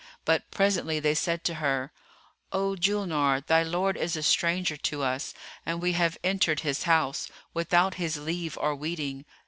But, presently, they said to her, "O Julnar, thy lord is a stranger to us, and we have entered his house, without his leave or weeting.